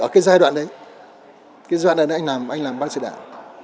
ở cái giai đoạn đấy cái giai đoạn đấy anh làm ban cán sự đảng